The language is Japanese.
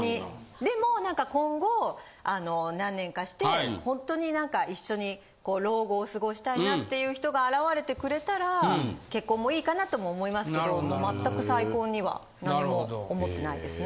でも何か今後何年かしてほんとに何か一緒に老後を過ごしたいなっていう人が現れてくれたら結婚もいいかなとも思いますけどもう全く再婚には何も思ってないですね。